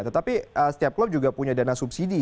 tetapi setiap klub juga punya dana subsidi